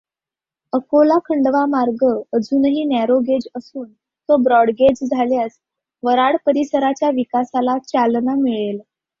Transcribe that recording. अकोला खण्डवा मार्ग अजुनही नॅरोगेज असून तो ब्रॉडगेज झाल्यास वर्हाड परीसराच्या विकासाला चालना मिळेल.